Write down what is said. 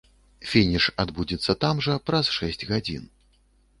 Фініш адбудзецца там жа, праз шэсць гадзін.